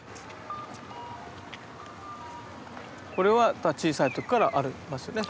これは小さい時からありますよね。